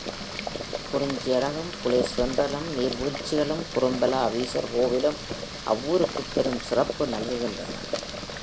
குறிஞ்சியழகும், குளிர் தென்றலும், நீர் வீழ்ச்சிகளும், குறும்பலாவீசர் கோவிலும், இவ்வூருக்குப் பெருஞ் சிறப்பு நல்குகின்றன.